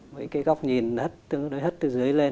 với cái góc nhìn hất đối hất từ dưới lên